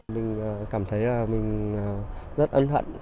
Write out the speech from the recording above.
mình cảm thấy là mình rất ân hận